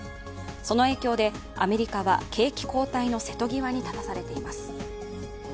その影響で、アメリカは景気後退の瀬戸際に立たされています。